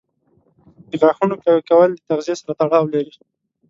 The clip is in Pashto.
د غاښونو قوي کول د تغذیې سره تړاو لري.